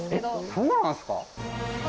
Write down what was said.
そんななんですか？